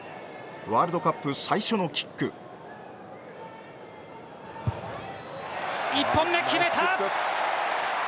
ワールドカップ最初のキック１本目決めた！